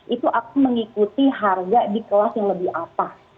itu akan mengikuti harga di kelas yang lebih atas